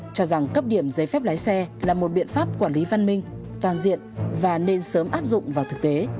cho rằng cấp điểm giấy phép lái xe là một biện pháp quản lý văn minh toàn diện và nên sớm áp dụng vào thực tế